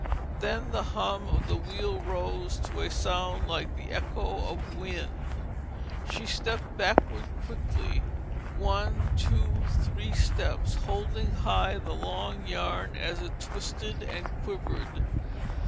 Then the hum of the wheel rose to a sound like the echo of wind; she stepped backward quickly, one, two, three steps, holding high the long yarn as it twisted and quivered.